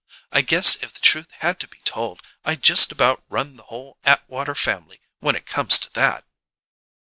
I guess if the truth had to be told, I just about run the whole Atwater family, when it comes to that!"